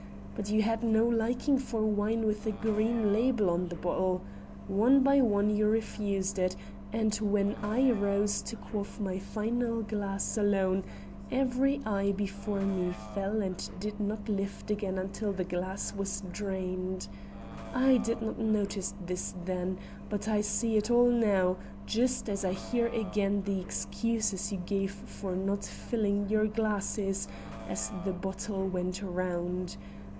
But you had no liking for wine with a green label on the bottle. One by one you refused it, and when I rose to quaff my final glass alone, every eye before me fell and did not lift again until the glass was drained. I did not notice this then, but I see it all now, just as I hear again the excuses you gave for not filling your glasses as the bottle went round.